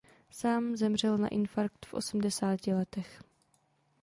Sám zemřel na infarkt v osmdesáti letech.